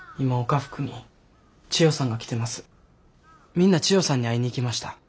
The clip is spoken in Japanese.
みんな千代さんに会いに行きました。